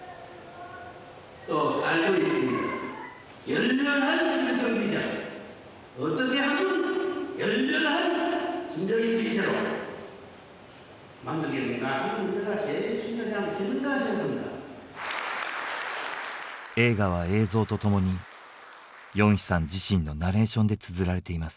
映画は映像とともにヨンヒさん自身のナレーションでつづられています。